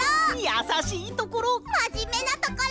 やさしいところ！